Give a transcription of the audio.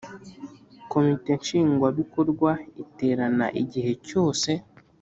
Komite nshingwabikorwa iterana igihe cyose